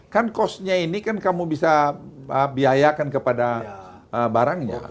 kan costnya ini kan kamu bisa biayakan kepada barangnya